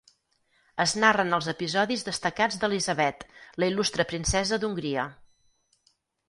Es narren els episodis destacats d'Elisabet, la il·lustre princesa d'Hongria.